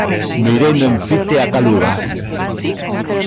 Mireino en fite á caluga.